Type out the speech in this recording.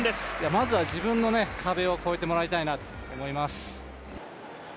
まずは自分の壁を超えてもらいたいなと思います。